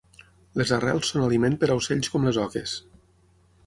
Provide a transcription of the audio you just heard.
Les arrels són aliment per a ocells com les oques.